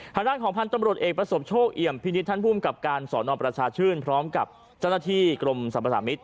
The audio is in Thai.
ทางด้านของพันธุ์ตำรวจเอกประสบโชคเอี่ยมพินิษฐท่านภูมิกับการสอนอประชาชื่นพร้อมกับเจ้าหน้าที่กรมสรรพสามิตร